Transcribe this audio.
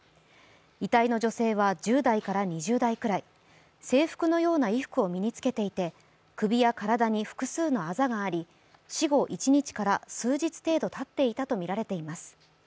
遺体の女性は、１０代から２０代くらい制服のような衣服を身に着けていて首や体に複数のあざがあり死後、１日から数日程度たっていたとみられています。